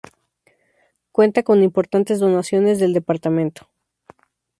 Cuenta con importantes donaciones del Dpto.